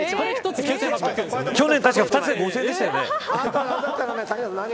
去年確か、２つで５０００円でしたよね。